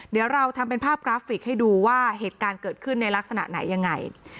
เดี๋ยวเราทำเป็นภาพกราฟิกให้ดูว่าเหตุการณ์เกิดขึ้นในลักษณะไหนยังไง